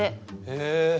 へえ。